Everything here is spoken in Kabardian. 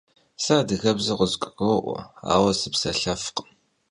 Se adıgebze khızguro'ue, aue sıpselhefkhım.